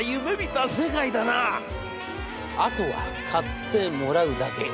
あとは買ってもらうだけ。